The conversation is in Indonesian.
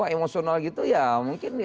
emosional gitu ya mungkin